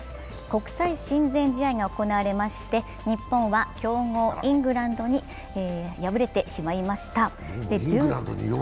国際親善試合が行われまして、日本は、強豪イングランドに敗れてしまいました。